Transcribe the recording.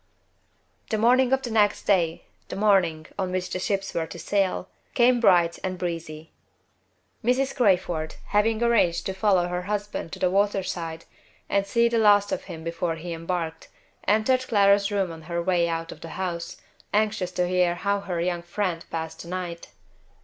The morning of the next day the morning on which the ships were to sail came bright and breezy. Mrs. Crayford, having arranged to follow her husband to the water side, and see the last of him before he embarked, entered Clara's room on her way out of the house, anxious to hear how her young friend passed the night.